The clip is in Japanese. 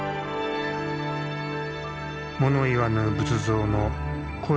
もの言わぬ仏像の声